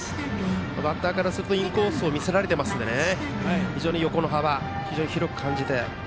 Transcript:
バッターからするとインコースを見せられてるので非常に横の幅が広く感じて。